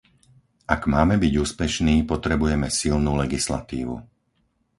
Ak máme byť úspešní, potrebujeme silnú legislatívu.